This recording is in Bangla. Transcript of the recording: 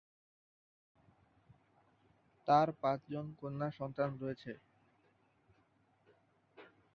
তার পাঁচজন কন্যা সন্তান রয়েছে।